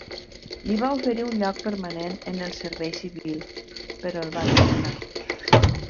Li va oferir un lloc permanent en el servei civil, però el va declinar.